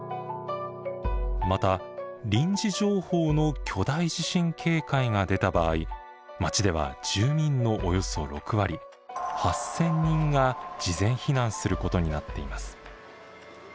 また臨時情報の巨大地震警戒が出た場合町では住民のおよそ６割８，０００人が事前避難することになっています。